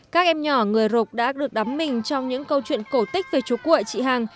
các em nhỏ người rục đã được đắm mình trong những câu chuyện cổ tích về chú cuội chị hằng